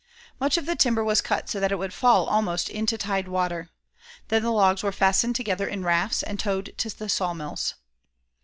Much of the timber was cut so that it would fall almost into tide water. Then the logs were fastened together in rafts and towed to the sawmills.